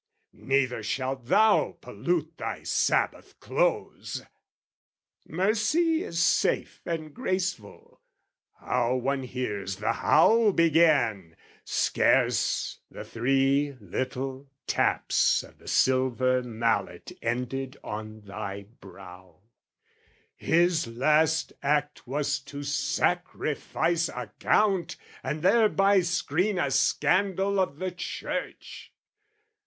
"Neither shalt thou pollute thy Sabbath close! "Mercy is safe and graceful. How one hears "The howl begin, scarce the three little taps "O' the silver mallet ended on thy brow, "'His last act was to sacrifice a Count "'And thereby screen a scandal of the Church!